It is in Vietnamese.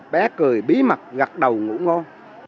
bé cười bí mật gặt đầu ngủ ngon